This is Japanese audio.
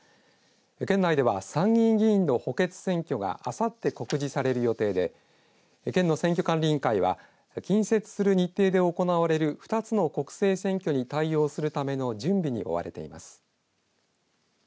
県内では参議院議員の補欠選挙があさって告示される予定で県の選挙管理委員会は近接する日程で行われる２つの国政選挙に対応するための準備に追われています。